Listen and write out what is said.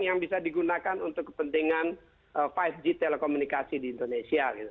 yang bisa digunakan untuk kepentingan lima g telekomunikasi di indonesia